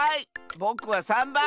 ぼくは３ばん！